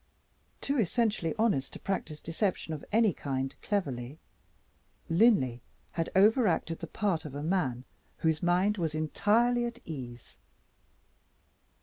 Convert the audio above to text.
Too essentially honest to practice deception of any kind cleverly, Linley had overacted the part of a man whose mind was entirely at ease.